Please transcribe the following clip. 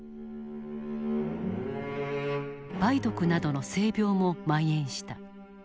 梅毒などの性病もまん延した。